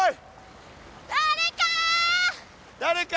誰か！